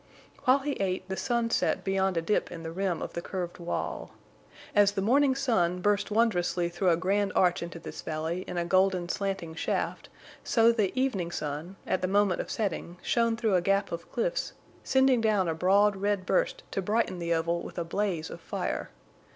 While he ate, the sun set beyond a dip in the rim of the curved wall. As the morning sun burst wondrously through a grand arch into this valley, in a golden, slanting shaft, so the evening sun, at the moment of setting, shone through a gap of cliffs, sending down a broad red burst to brighten the oval with a blaze of fire.